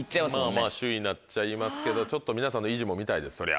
まぁまぁ首位なっちゃいますけどちょっと皆さんの意地も見たいです